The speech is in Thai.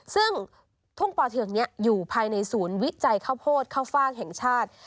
ซึ่งทุ่งป่อเทือกนี้อยู่ภายในศูนย์วิจัยข้าวโพดข้าวฟากแห่งชาติ